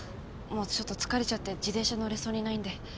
もうちょっと疲れちゃって自転車乗れそうにないんで。